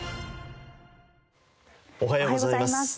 おはようございます。